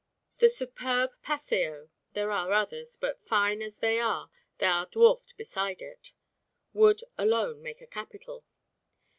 The superb Paseo (there are others, but fine as they are they are dwarfed beside it) would alone make a capital.